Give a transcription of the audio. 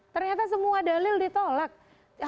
ternyata semua dalil ditolak